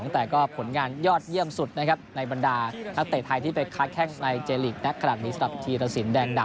แต่ก็ผลงานยอดเยี่ยมสุดนะครับในบรรดานักเตะไทยที่ไปค้าแข้งในเจลีกนักขนาดนี้สำหรับธีรสินแดงดา